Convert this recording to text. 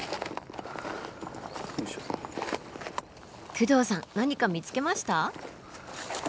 工藤さん何か見つけました？